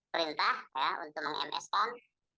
perintah ya untuk meng ms kan